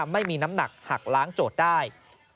ไม่มีน้ำหนักหักล้างโจทย์ได้